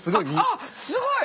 あっすごい！